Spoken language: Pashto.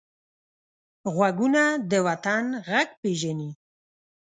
غوږونه د وطن غږ پېژني